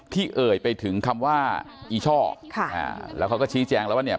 เอ่ยไปถึงคำว่าอีช่อค่ะอ่าแล้วเขาก็ชี้แจงแล้วว่าเนี่ย